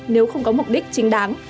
nếu không có mục đích chính đáng